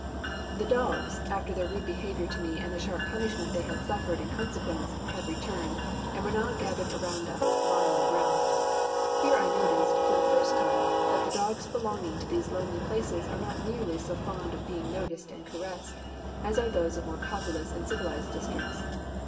The dogs, after their rude behaviour to me and the sharp punishment they had suffered in consequence, had returned, and were now gathered around us, lying on the ground. Here I noticed, not for the first time, that the dogs belonging to these lonely places are not nearly so fond of being noticed and caressed as are those of more populous and civilised districts.